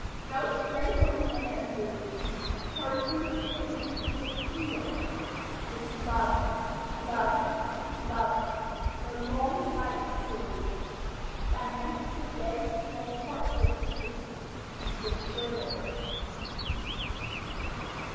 No slavery may undo Her dream it makes the purer, With "love, love, love," the long night through, That makes the day's long heartbreak too The surer.